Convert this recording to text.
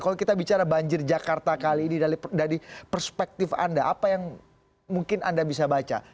kalau kita bicara banjir jakarta kali ini dari perspektif anda apa yang mungkin anda bisa baca